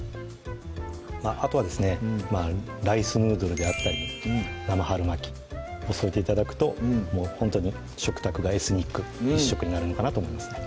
あとはですねライスヌードルであったり生春巻きを添えて頂くともうほんとに食卓がエスニック一色になるのかなと思います